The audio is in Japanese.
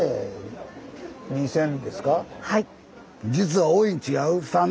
はい。